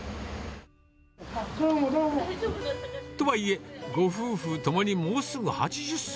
とはいえ、ご夫婦ともにもうすぐ８０歳。